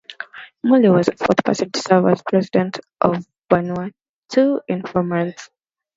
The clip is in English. Moli was the fourth person to serve as President of Vanuatu in four months.